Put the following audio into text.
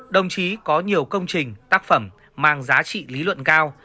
đồng chí có nhiều công trình tác phẩm mang giá trị lý luận cao